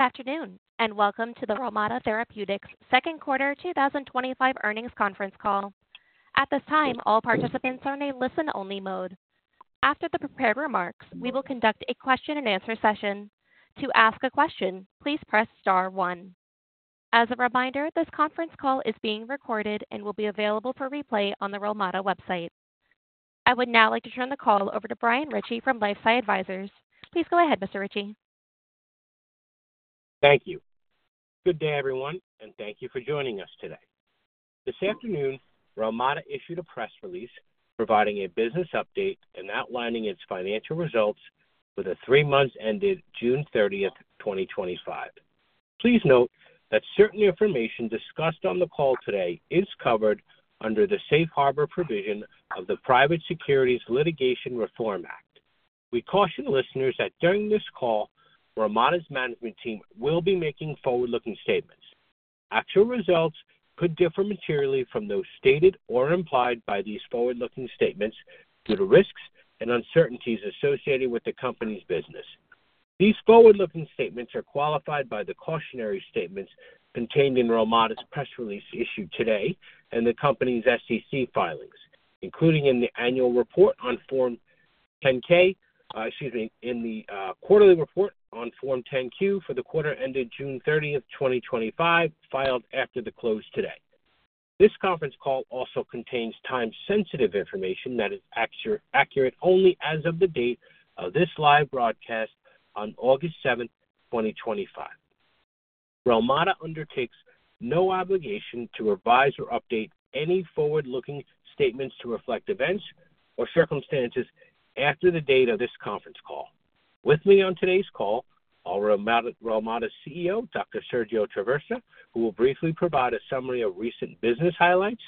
Afternoon and welcome to the Relmada Therapeutics Second Quarter 2025 Earnings Conference Call. At this time, all participants are in a listen-only mode. After the prepared remarks, we will conduct a question-and-answer session. To ask a question, please press star one. As a reminder, this conference call is being recorded and will be available for replay on the Relmada website. I would now like to turn the call over to Brian Ritchie from LifesSci Advisors. Please go ahead, Mr. Ritchie. Thank you. Good day, everyone, and thank you for joining us today. This afternoon, Relmada Therapeutics issued a press release providing a business update and outlining its financial results for the three months ended June 30, 2025. Please note that certain information discussed on the call today is covered under the Safe Harbor provision of the Private Securities Litigation Reform Act. We caution listeners that during this call, Relmada Therapeutics' management team will be making forward-looking statements. Actual results could differ materially from those stated or implied by these forward-looking statements due to risks and uncertainties associated with the company's business. These forward-looking statements are qualified by the cautionary statements contained in Relmada Therapeutics' press release issued today and the company's SEC filings, including in the annual report on Form 10-K, excuse me, in the quarterly report on Form 10-Q for the quarter ended June 30, 2025, filed after the close today. This conference call also contains time-sensitive information that is accurate only as of the date of this live broadcast on August 7, 2025. Relmada Therapeutics undertakes no obligation to revise or update any forward-looking statements to reflect events or circumstances after the date of this conference call. With me on today's call are Relmada Therapeutics' CEO, Dr. Sergio Traversa, who will briefly provide a summary of recent business highlights,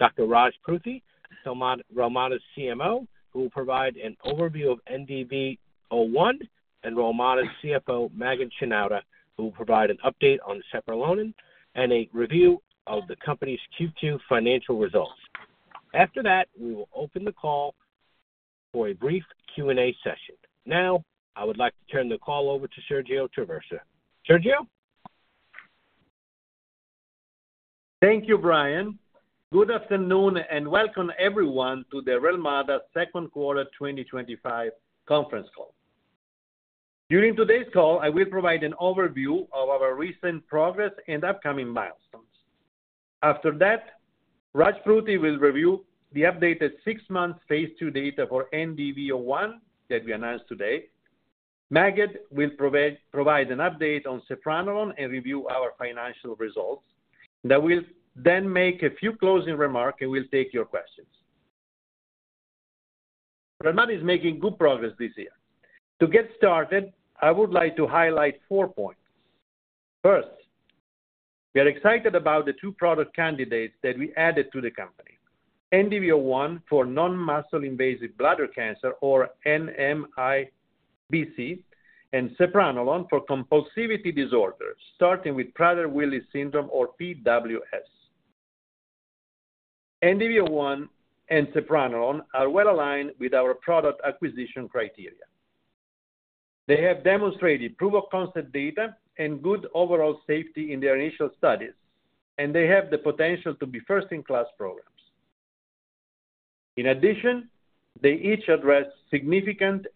Dr. Raj Pruthi, Relmada Therapeutics' Chief Medical Officer, who will provide an overview of NDB01, and Relmada Therapeutics' CFO, Maged Shenouda, who will provide an update on separate loaning and a review of the company's Q2 financial results. After that, we will open the call for a brief Q&A session. Now, I would like to turn the call over to Sergio Traversa. Sergio. Thank you, Brian. Good afternoon and welcome everyone to the Relmada Therapeutics second quarter 2025 conference call. During today's call, I will provide an overview of our recent progress and upcoming milestones. After that, Raj Pruthi will review the updated six-month phase II data for NDB01 that we announced today. Maged will provide an update on Sepranolone and review our financial results. We will make a few closing remarks and take your questions. Relmada Therapeutics is making good progress this year. To get started, I would like to highlight four points. First, we are excited about the two product candidates that we added to the company: NDB01 for non-muscle invasive bladder cancer, or NMIBC, and Sepranolone for compulsivity disorders, starting with Prader-Willi syndrome, or PWS. NDB01 and Sepranolone are well aligned with our product acquisition criteria. They have demonstrated proof-of-concept data and good overall safety in their initial studies, and they have the potential to be first-in-class programs. In addition, they each address significant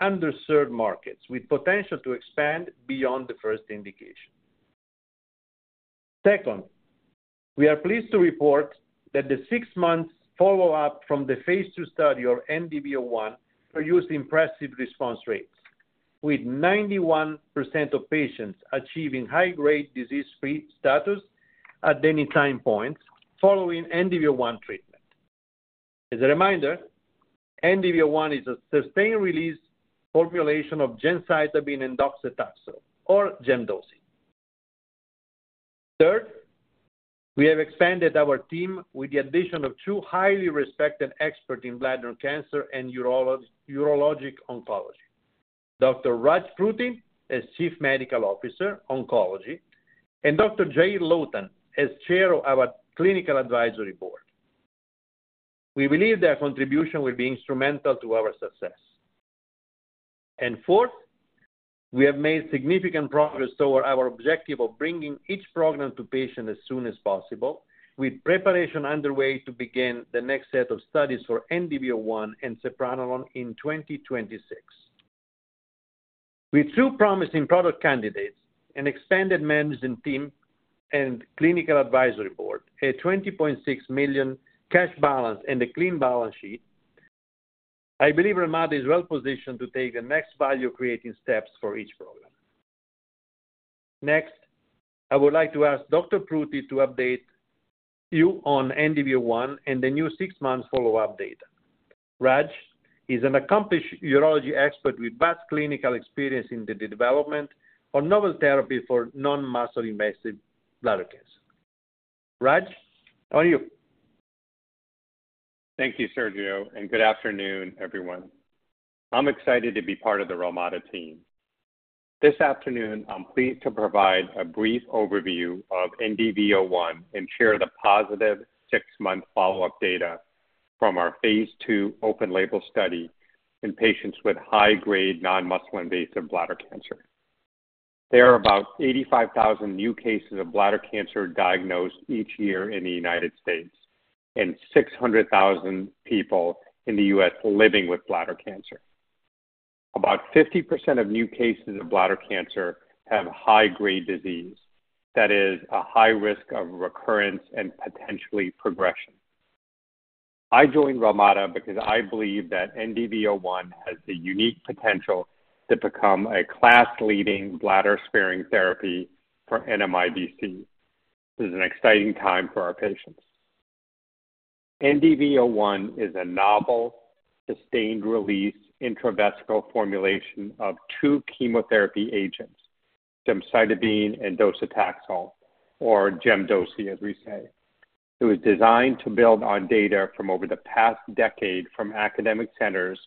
and underserved markets with potential to expand beyond the first indication. Second, we are pleased to report that the six-month follow-up from the phase II study of NDB01 produced impressive response rates, with 91% of patients achieving high-grade disease-free status at any time point following NDB01 treatment. As a reminder, NDB01 is a sustained-release formulation of gemcitabine and docetaxel, or Gemdosi. Third, we have expanded our team with the addition of two highly respected experts in bladder cancer and urologic oncology, Dr. Raj Pruthi, as Chief Medical Officer Oncology, and Dr. Yair Lotan, as Chair of our Clinical Advisory Board. We believe their contribution will be instrumental to our success. Fourth, we have made significant progress toward our objective of bringing each program to patients as soon as possible, with preparation underway to begin the next set of studies for NDB01 and Sepranolone in 2026. With two promising product candidates, an expanded management team, a Clinical Advisory Board, a $20.6 million cash balance, and a clean balance sheet, I believe Relmada Therapeutics is well positioned to take the next value-creating steps for each program. Next, I would like to ask Dr. Pruthi to update you on NDB01 and the new six-month follow-up data. Raj is an accomplished urology expert with vast clinical experience in the development of novel therapies for non-muscle invasive bladder cancer. Raj, on you. Thank you, Sergio, and good afternoon, everyone. I'm excited to be part of the Relmada team. This afternoon, I'm pleased to provide a brief overview of NDB01 and share the positive six-month follow-up data from our phase II open-label study in patients with high-grade non-muscle invasive bladder cancer. There are about 85,000 new cases of bladder cancer diagnosed each year in the U.S., and 600,000 people in the U.S. living with bladder cancer. About 50% of new cases of bladder cancer have high-grade disease, that is, a high risk of recurrence and potentially progression. I joined Relmada because I believe that NDB01 has the unique potential to become a class-leading bladder-sparing therapy for NMIBC. This is an exciting time for our patients. NDB01 is a novel, sustained-release, intravesical formulation of two chemotherapy agents, gemcitabine and docetaxel, or Gemdosi, as we say. It was designed to build on data from over the past decade from academic centers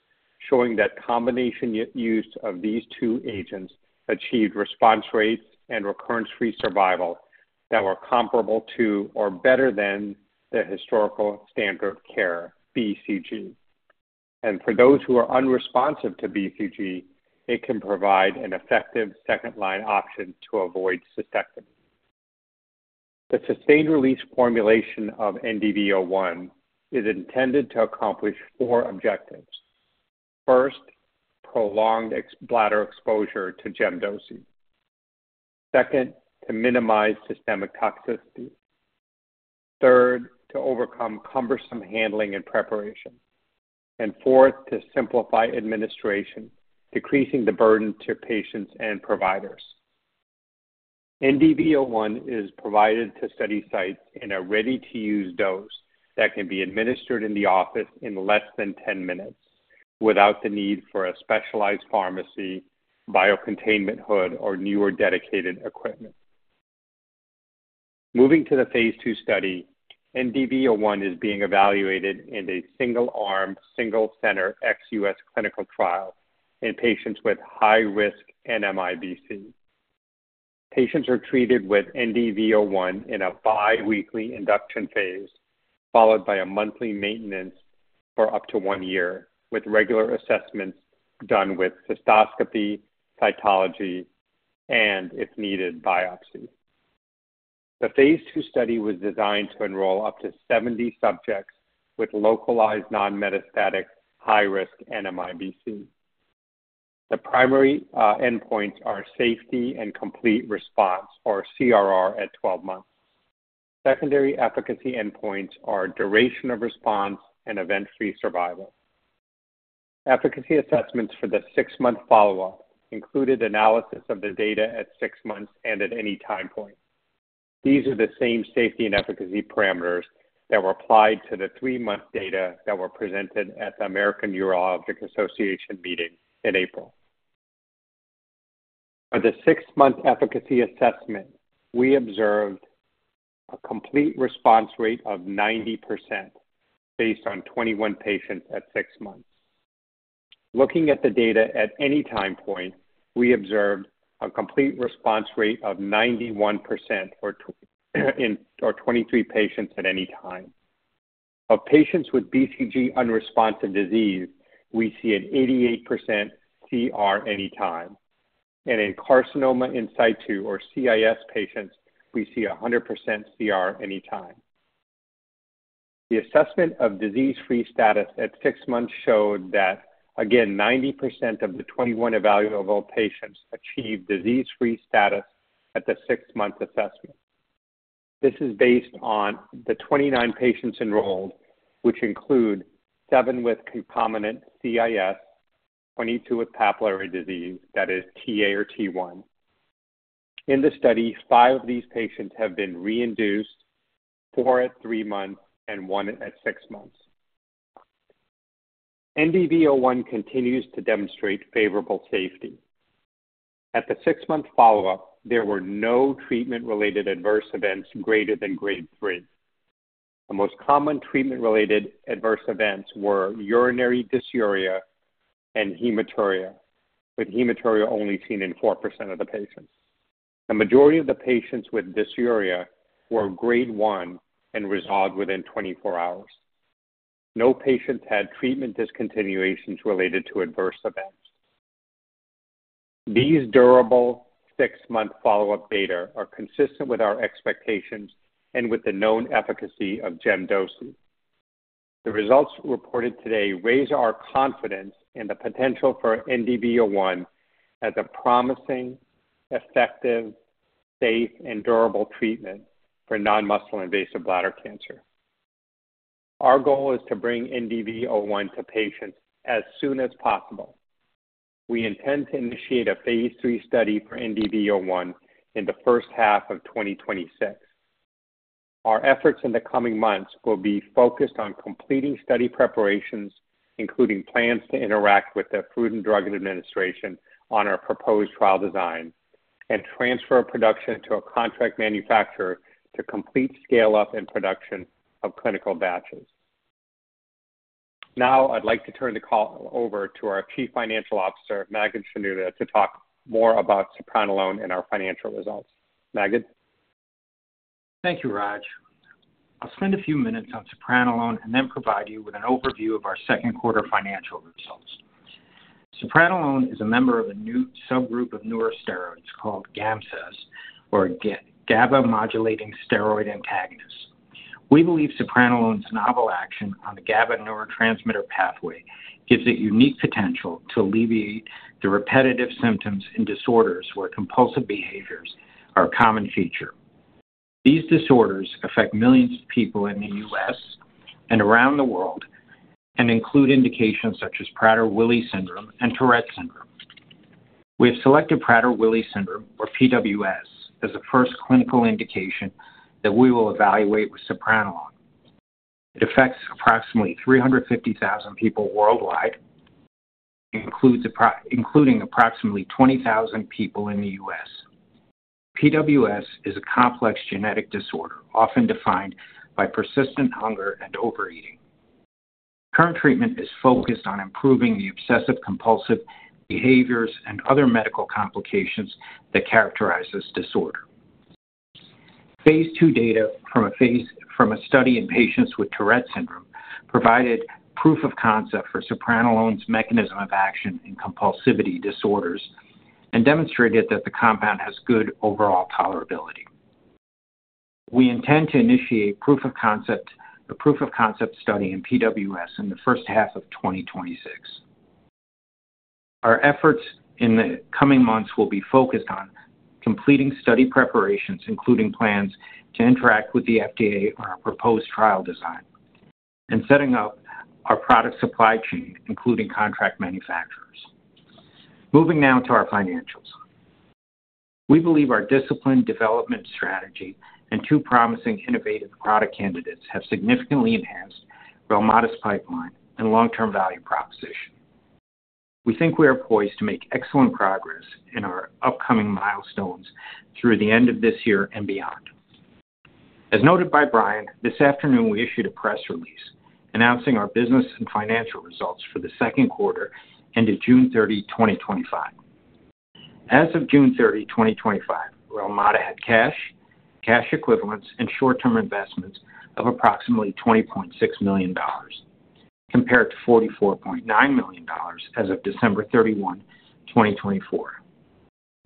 showing that combination use of these two agents achieved response rates and recurrence-free survival that were comparable to or better than the historical standard of care, BCG. For those who are unresponsive to BCG, it can provide an effective second-line option to avoid cystectomy. The sustained-release formulation of NDB01 is intended to accomplish four objectives: first, prolonged bladder exposure to Gemdosi; second, to minimize systemic toxicity; third, to overcome cumbersome handling and preparation; and fourth, to simplify administration, decreasing the burden to patients and providers. NDB01 is provided to study sites in a ready-to-use dose that can be administered in the office in less than 10 minutes without the need for a specialized pharmacy, biocontainment hood, or newer dedicated equipment. Moving to the phase II study, NDB01 is being evaluated in a single-arm, single-center ex-U.S. clinical trial in patients with high-risk NMIBC. Patients are treated with NDB01 in a biweekly induction phase, followed by a monthly maintenance for up to one year, with regular assessments done with cystoscopy, cytology, and, if needed, biopsy. The phase II study was designed to enroll up to 70 subjects with localized non-metastatic high-risk NMIBC. The primary endpoints are safety and complete response, or CRR, at 12 months. Secondary efficacy endpoints are duration of response and event-free survival. Efficacy assessments for the six-month follow-up included analysis of the data at six months and at any time point. These are the same safety and efficacy parameters that were applied to the three-month data that were presented at the American Urologic Association meeting in April. At the six-month efficacy assessment, we observed a complete response rate of 90% based on 21 patients at six months. Looking at the data at any time point, we observed a complete response rate of 91% for 23 patients at any time. Of patients with BCG unresponsive disease, we see an 88% CR at any time. In carcinoma in situ, or CIS patients, we see 100% CR at any time. The assessment of disease-free status at six months showed that, again, 90% of the 21 evaluable patients achieved disease-free status at the six-month assessment. This is based on the 29 patients enrolled, which include seven with concomitant CIS, 22 with papillary disease, that is, TA or T1. In the study, five of these patients have been reinduced, four at three months and one at six months. NDB01 continues to demonstrate favorable safety. At the six-month follow-up, there were no treatment-related adverse events greater than grade three. The most common treatment-related adverse events were urinary dysuria and hematuria, with hematuria only seen in 4% of the patients. The majority of the patients with dysuria were grade one and resolved within 24 hours. No patients had treatment discontinuations related to adverse events. These durable six-month follow-up data are consistent with our expectations and with the known efficacy of Gemdosi. The results reported today raise our confidence in the potential for NDB01 as a promising, effective, safe, and durable treatment for non-muscle invasive bladder cancer. Our goal is to bring NDB01 to patients as soon as possible. We intend to initiate a phase III study for NDB01 in the first half of 2026. Our efforts in the coming months will be focused on completing study preparations, including plans to interact with the FDA on our proposed trial design, and transfer production to a contract manufacturer to complete scale-up and production of clinical batches. Now, I'd like to turn the call over to our Chief Financial Officer, Maged Shenouda, to talk more about Sepranolone and our financial results. Maged? Thank you, Raj. I'll spend a few minutes on Sepranolone and then provide you with an overview of our second quarter financial results. Sepranolone is a member of a new subgroup of neurosteroids called GAMSAs, or GABA-modulating steroid antagonists. We believe Sepranolone's novel action on the GABA neurotransmitter pathway gives it unique potential to alleviate the repetitive symptoms and disorders where compulsive behaviors are a common feature. These disorders affect millions of people in the U.S. and around the world and include indications such as Prader-Willi syndrome and Tourette syndrome. We have selected Prader-Willi syndrome, or PWS, as the first clinical indication that we will evaluate with Sepranolone. It affects approximately 350,000 people worldwide, including approximately 20,000 people in the U.S. PWS is a complex genetic disorder, often defined by persistent hunger and overeating. Current treatment is focused on improving the obsessive-compulsive behaviors and other medical complications that characterize this disorder. phase II data from a study in patients with Tourette syndrome provided proof of concept for Sepranolone's mechanism of action in compulsivity disorders and demonstrated that the compound has good overall tolerability. We intend to initiate a proof-of-concept study in PWS in the first half of 2026. Our efforts in the coming months will be focused on completing study preparations, including plans to interact with the FDA on our proposed trial design, and setting up our product supply chain, including contract manufacturers. Moving now to our financials. We believe our discipline, development strategy, and two promising innovative product candidates have significantly enhanced Relmada Therapeutics' pipeline and long-term value proposition. We think we are poised to make excellent progress in our upcoming milestones through the end of this year and beyond. As noted by Brian, this afternoon we issued a press release announcing our business and financial results for the second quarter ended June 30, 2025. As of June 30, 2025, Relmada Therapeutics had cash, cash equivalents, and short-term investments of approximately $20.6 million, compared to $44.9 million as of December 31, 2024.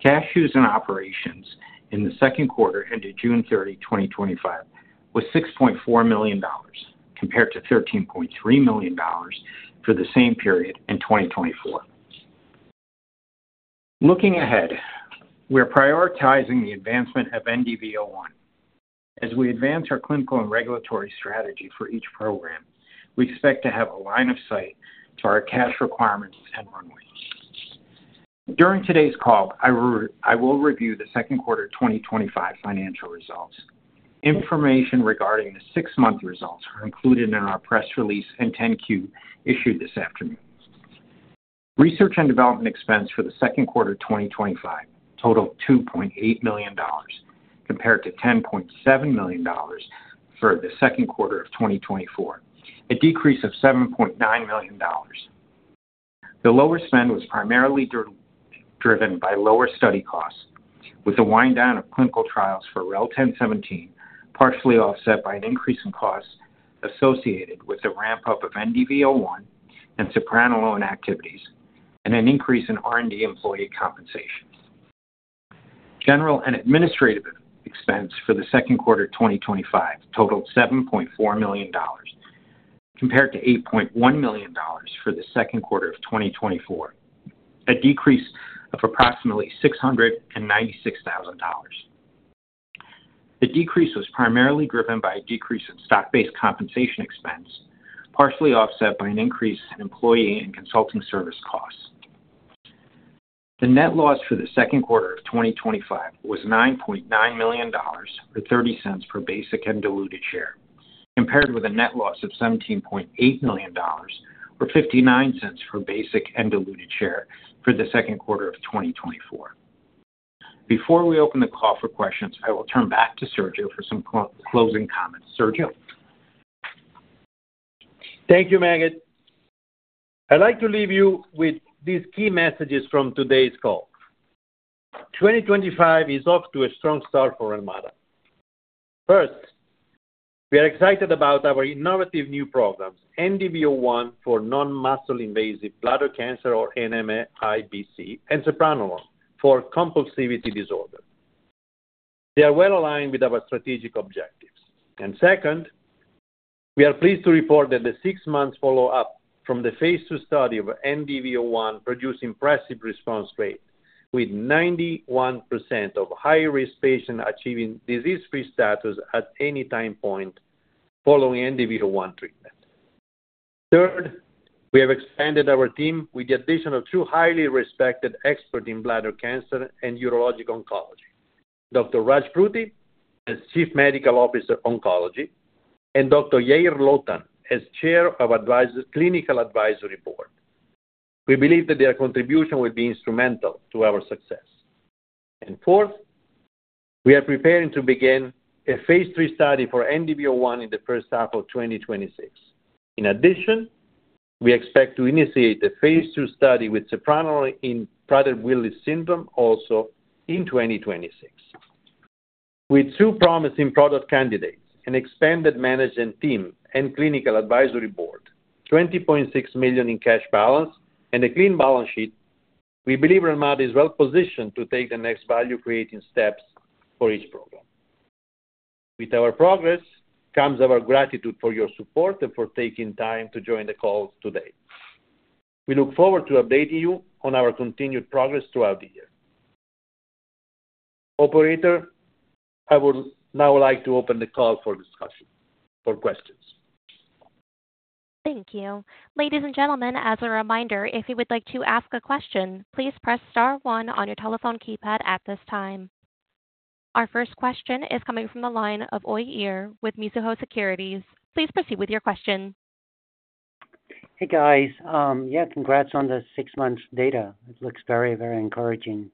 Cash used in operations in the second quarter ended June 30, 2025, was $6.4 million, compared to $13.3 million for the same period in 2024. Looking ahead, we are prioritizing the advancement of NDB01. As we advance our clinical and regulatory strategy for each program, we expect to have a line of sight to our cash requirements and runway. During today's call, I will review the second quarter 2025 financial results. Information regarding the six-month results are included in our press release and 10Q issued this afternoon. Research and development expense for the second quarter 2025 totaled $2.8 million, compared to $10.7 million for the second quarter of 2024, a decrease of $7.9 million. The lower spend was primarily driven by lower study costs, with a wind-down of clinical trials for REL-1017 partially offset by an increase in costs associated with the ramp-up of NDB01 and Sepranolone activities and an increase in R&D employee compensation. General and administrative expense for the second quarter 2025 totaled $7.4 million, compared to $8.1 million for the second quarter of 2024, a decrease of approximately $696,000. The decrease was primarily driven by a decrease in stock-based compensation expense, partially offset by an increase in employee and consulting service costs. The net loss for the second quarter of 2025 was $9.9 million or $0.30 per basic and diluted share, compared with a net loss of $17.8 million or $0.59 per basic and diluted share for the second quarter of 2024. Before we open the call for questions, I will turn back to Sergio for some closing comments. Sergio? Thank you, Maged. I'd like to leave you with these key messages from today's call. 2025 is off to a strong start for Relmada. First, we are excited about our innovative new programs, NDB01 for non-muscle invasive bladder cancer, or NMIBC, and Sepranolone for compulsivity disorder. They are well aligned with our strategic objectives. Second, we are pleased to report that the six-month follow-up from the phase II study of NDB01 produced impressive response rates, with 91% of high-risk patients achieving disease-free status at any time point following NDB01 treatment. Third, we have expanded our team with the addition of two highly respected experts in bladder cancer and urologic oncology, Dr. Raj Pruthi as Chief Medical Officer Oncology and Dr. Yair Lotan as Chair of the Clinical Advisory Board. We believe that their contribution will be instrumental to our success. Fourth, we are preparing to begin a phase III study for NDB01 in the first half of 2026. In addition, we expect to initiate a phase II study with Sepranolone in Prader-Willi syndrome also in 2026. With two promising product candidates, an expanded management team, and Clinical Advisory Board, $20.6 million in cash balance and a clean balance sheet, we believe Relmada is well positioned to take the next value-creating steps for each program. With our progress comes our gratitude for your support and for taking time to join the call today. We look forward to updating you on our continued progress throughout the year. Operator, I would now like to open the call for discussion, for questions. Thank you. Ladies and gentlemen, as a reminder, if you would like to ask a question, please press star one on your telephone keypad at this time. Our first question is coming from the line of Uy Ear with Mizuho Securities. Please proceed with your question. Hey, guys. Congrats on the six-month data. It looks very, very encouraging.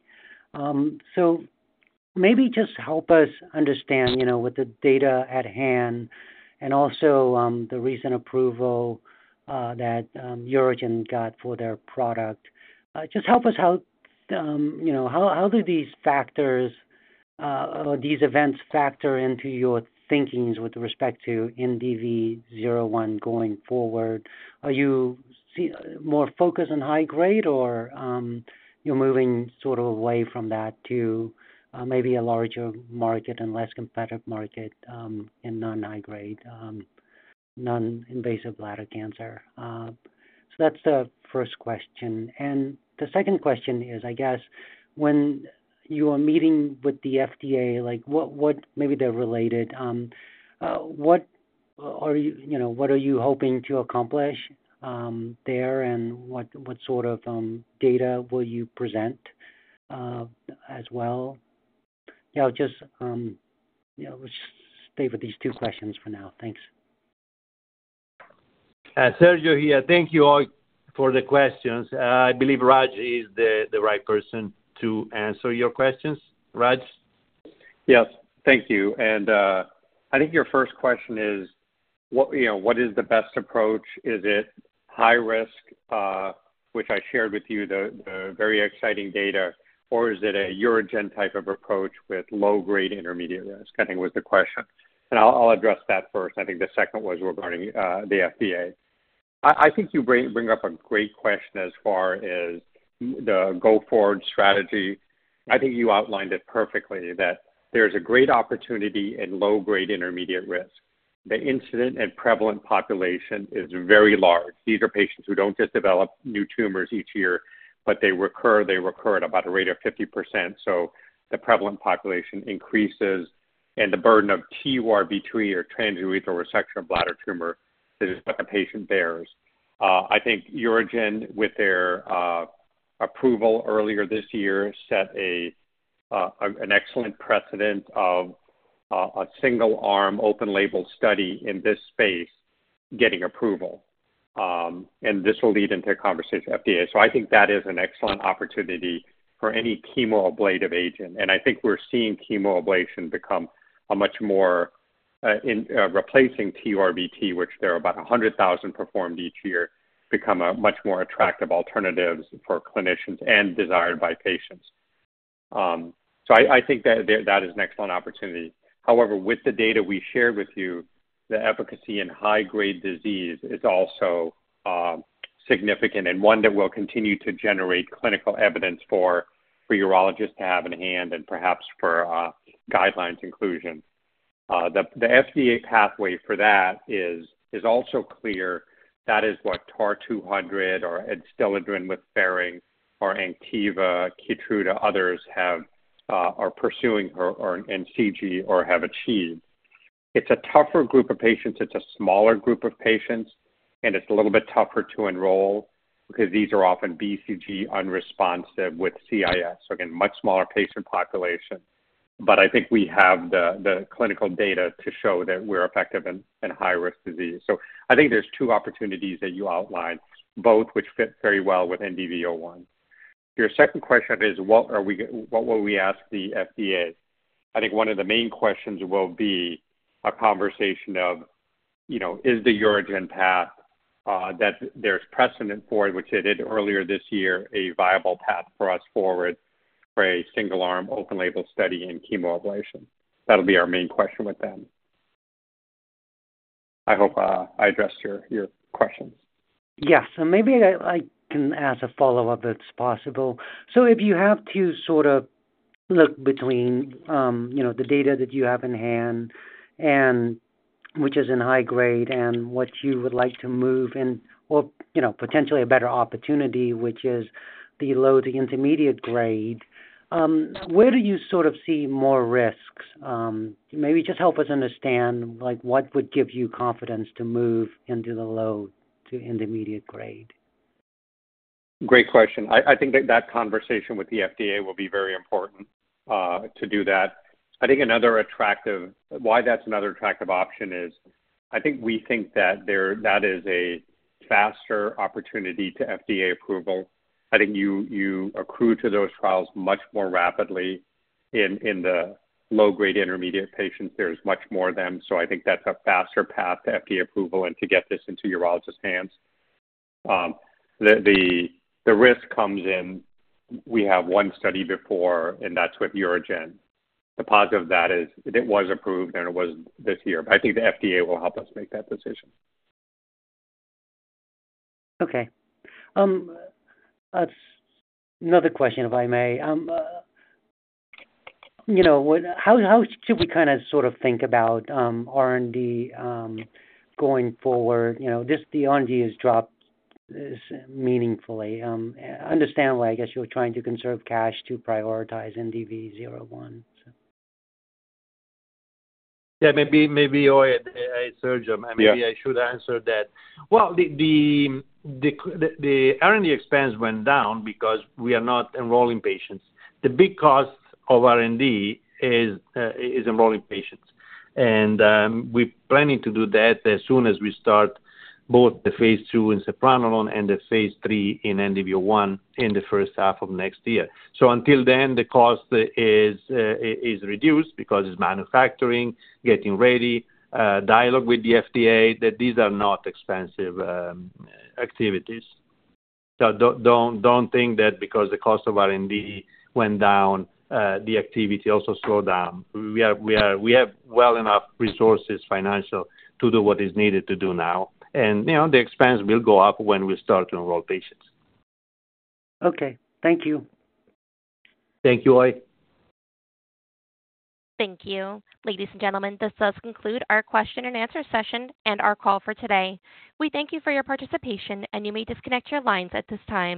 Maybe just help us understand, with the data at hand and also the recent approval that Eurogen got for their product, how do these factors or these events factor into your thinking with respect to NDB01 going forward? Are you more focused on high-grade or are you moving sort of away from that to maybe a larger market and less competitive market in non-high-grade, non-muscle invasive bladder cancer? That's the first question. The second question is, when you are meeting with the FDA, maybe they're related, what are you hoping to accomplish there and what sort of data will you present as well? I'll just stay with these two questions for now. Thanks. Sergio here. Thank you all for the questions. I believe Raj is the right person to answer your questions. Raj? Thank you. I think your first question is, what is the best approach? Is it high-risk, which I shared with you the very exciting data, or is it a Eurogen type of approach with low-grade intermediate risk? I think it was the question. I'll address that first. I think the second was regarding the FDA. You bring up a great question as far as the go-forward strategy. You outlined it perfectly that there's a great opportunity in low-grade intermediate risk. The incident and prevalent population is very large. These are patients who don't just develop new tumors each year, but they recur. They recur at about a rate of 50%. The prevalent population increases and the burden of TURBT, or transurethral resection of bladder tumor, is what the patient bears. Eurogen, with their approval earlier this year, set an excellent precedent of a single-arm, open-label study in this space getting approval. This will lead into a conversation with the FDA. That is an excellent opportunity for any chemoablative agent. We're seeing chemoablation become much more replacing TURBT, which there are about 100,000 performed each year, become a much more attractive alternative for clinicians and desired by patients. That is an excellent opportunity. However, with the data we shared with you, the efficacy in high-grade disease is also significant and one that will continue to generate clinical evidence for urologists to have in hand and perhaps for guidelines inclusion. The FDA pathway for that is also clear. That is what TAR-200 or Adstiladrin, with Beringer or Antiva, Keytruda, others are pursuing or NCG or have achieved. It's a tougher group of patients. It's a smaller group of patients, and it's a little bit tougher to enroll because these are often BCG unresponsive with carcinoma in situ. Much smaller patient population. We have the clinical data to show that we're effective in high-risk disease. There are two opportunities that you outlined, both which fit very well with NDB01. Your second question is, what will we ask the FDA? One of the main questions will be a conversation of, you know, is the Eurogen path that there's precedent for, which they did earlier this year, a viable path for us forward for a single-arm, open-label study in chemoablation? That'll be our main question with them. I hope I addressed your question. Yes. Maybe I can ask a follow-up if it's possible. If you have to sort of look between the data that you have in hand, which is in high grade, and what you would like to move in, or potentially a better opportunity, which is the low to intermediate grade, where do you sort of see more risks? Maybe just help us understand what would give you confidence to move into the low to intermediate grade? Great question. I think that conversation with the FDA will be very important to do that. I think another attractive reason why that's another attractive option is I think we think that there is a faster opportunity to FDA approval. I think you accrue to those trials much more rapidly. In the low-grade intermediate patients, there's much more of them. I think that's a faster path to FDA approval and to get this into urologists' hands. The risk comes in. We have one study before, and that's with Eurogen. The positive of that is it was approved, and it was this year. I think the FDA will help us make that decision. Okay. Another question, if I may. How should we kind of sort of think about R&D going forward? The R&D has dropped meaningfully. Understandably, I guess you're trying to conserve cash to prioritize NDB01. Maybe Uy at Sergio. Maybe I should answer that. The R&D expense went down because we are not enrolling patients. The big cost of R&D is enrolling patients. We're planning to do that as soon as we start both the phase II in Sepranolone and the phase III in NDB01 in the first half of next year. Until then, the cost is reduced because it's manufacturing, getting ready, dialogue with the FDA. These are not expensive activities. Don't think that because the cost of R&D went down, the activity also slowed down. We have well enough resources, financial, to do what is needed to do now. The expense will go up when we start to enroll patients. Okay, thank you. Thank you, Uy. Thank you. Ladies and gentlemen, this does conclude our question and answer session and our call for today. We thank you for your participation, and you may disconnect your lines at this time.